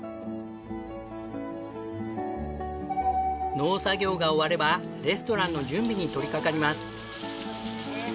農作業が終わればレストランの準備に取りかかります。